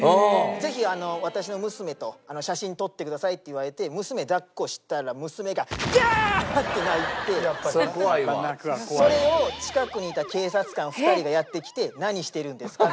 「ぜひ私の娘と写真撮ってください」って言われて娘抱っこしたら娘が「ギャーッ！」って泣いてそれを近くにいた警察官２人がやって来て「何してるんですか？」